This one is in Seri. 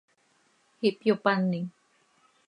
Ihpyopanim.